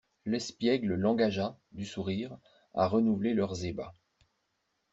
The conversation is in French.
L'espiègle l'engagea, du sourire, à renouveler leurs ébats.